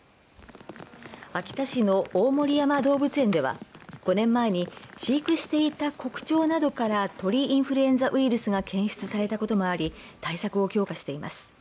秋田市の大森山動物園では５年前に飼育していたコクチョウなどから鳥インフルエンザウイルスが検出されたこともあり対策を強化しています。